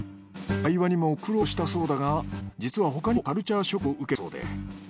会話にも苦労したそうだが実は他にもカルチャーショックを受けたそうで。